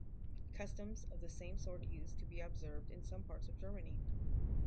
Customs of the same sort used to be observed in some parts of Germany.